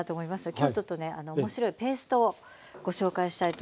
今日ちょっとね面白いペーストをご紹介したいと思います。